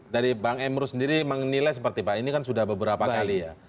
dari bang emru sendiri menilai seperti pak ini kan sudah beberapa kali ya